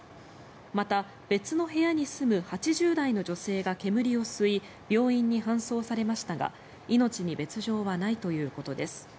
また、別の部屋に住む８０代の女性が煙を吸い病院に搬送されましたが命に別条はないということです。